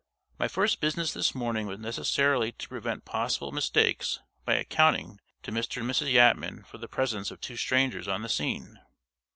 My first business this morning was necessarily to prevent possible mistakes by accounting to Mr. and Mrs. Yatman for the presence of two strangers on the scene.